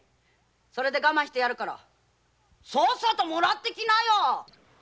それで我慢するからさっさともらってきなよ。